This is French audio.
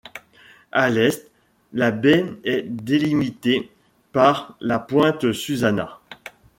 À l'est, la baie est délimitée par la pointe Susana.